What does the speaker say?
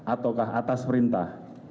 ataukah atas perintah